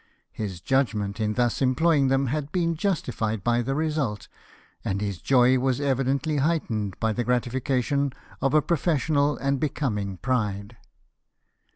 His judgment in thus employing them had been justified by the result, and his joy was evidently heightened by the gratification of a professional and becoming pride.